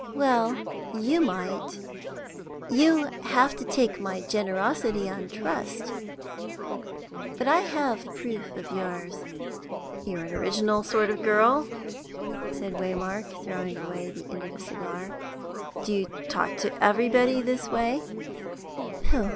"Well, you might. You have to take my generosity on trust, but I have proof of yours." "You're an original sort of girl," said Waymark, throwing away the end of his cigar. "Do you talk to everybody in this way?"